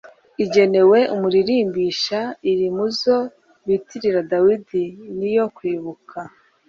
igenewe umuririmbisha. iri mu zo bitirira dawudi. ni iyo kwibuka